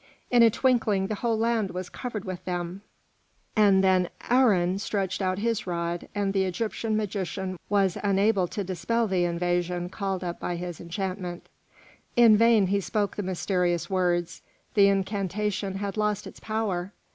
In a twinkling the whole land was covered with them, and then Aharon stretched out his rod, and the Egyptian magician was unable to dispel the invasion called up by his enchantment. In vain he spoke the mysterious words, the incantation had lost its power.